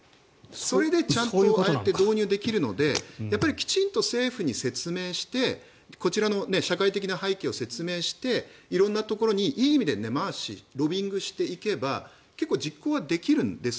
それで導入できるのできちんと政府に説明してこちらの社会的な背景を説明して色んなところに、いい意味で根回し、ロビーイングしていけば結構実行はできるんです。